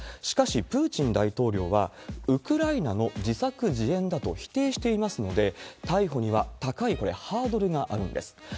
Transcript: しかし、プーチン大統領はウクライナの自作自演だと否定していますので、逮捕には高い、これ、ハードルがあるんです。